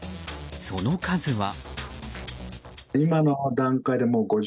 その数は。